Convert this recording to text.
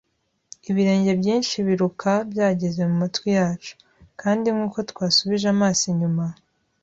ibirenge byinshi biruka byageze mumatwi yacu, kandi nkuko twasubije amaso inyuma